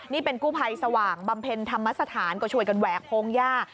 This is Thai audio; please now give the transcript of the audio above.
นี่เป็นกู้ภัยสว่างบำเพ็ญธรรมสถานก็ช่วยกันแหวกโพงหญ้า